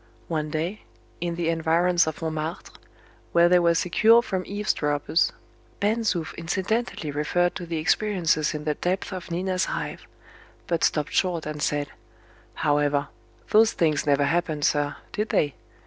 One day, in the environs of Montmartre, where they were secure from eavesdroppers, Ben Zoof incidentally referred to the experiences in the depths of Nina's Hive; but stopped short and said, "However, those things never happened, sir, did they?"